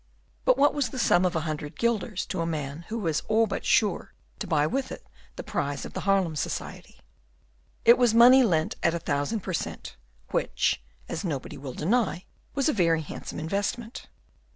But what was the sum of a hundred guilders to a man who was all but sure to buy with it the prize of the Haarlem Society? It was money lent at a thousand per cent., which, as nobody will deny, was a very handsome investment.